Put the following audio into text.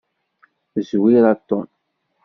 Zwir a Tom.